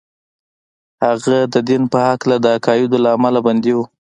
هغه د دين په هکله د عقايدو له امله بندي و.